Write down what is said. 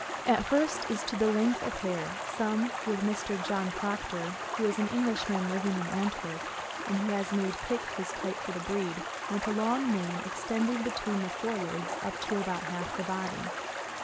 At first, j;s to the length of hair, some, with Mr. John Proctor, who is an Englishman living in Antwerp, and who has made Pick his type for the breed, want a long mane extending between the fore legs up to about half the body.